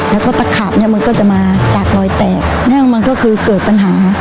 แล้วก็ตะขาบมันก็จะมาจากรอยแตกนี่มันก็คือเกิดปัญหา